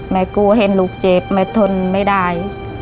แม่กูเห็นลูกเจ็บแม่ทนไม่ได้